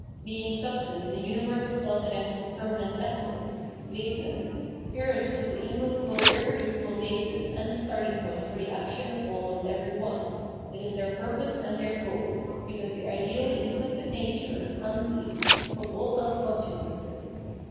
Being substance and universal self identical permanent essence {Wesen), spirit is the immovable irreducible basis and the starting point for the action of all and every one ; it is their purpose and their goal, because the ideally implicit nature {Ansich) of ah self conscious 432 Phenommohgy of Mind nesses.